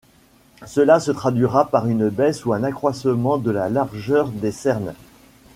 Cela se traduira par une baisse ou un accroissement de la largeur des cernes.